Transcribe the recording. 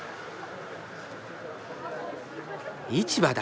市場だ。